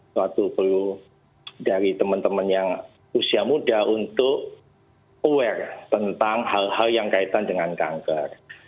suatu peluang dari teman teman yang usia muda untuk aware tentang hal hal yang kaitan dengan kanker